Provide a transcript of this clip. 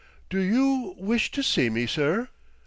"Do you wish to see me, sir?"